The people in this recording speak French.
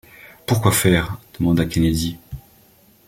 Pourquoi faire ? demanda Kennedy.